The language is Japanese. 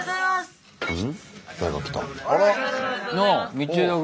道枝君。